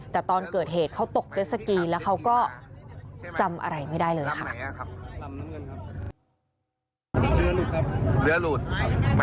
แต่ตอนเกิดเหตุเขาตกเจสสกีแล้วเขาก็จำอะไรไม่ได้เลยค่ะ